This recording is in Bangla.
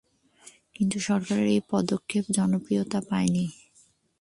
কিন্তু সরকারের এ পদক্ষেপ জনপ্রিয়তা পায়নি।